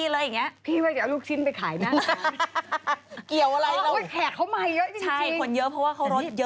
ลดเยอะดังนั้นเราก็จะช้อปได้หลาย